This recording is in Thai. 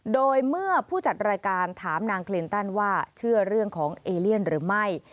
โดยเมื่อผู้จัดรายการถามนางคลินตันว่าเชื่อเรื่องของเอเลียนหรือไม่